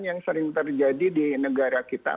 yang sering terjadi di negara kita